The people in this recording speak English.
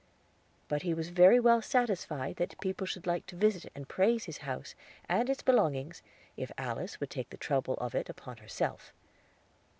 But he was very well satisfied that people should like to visit and praise his house and its belongings, if Alice would take the trouble of it upon herself.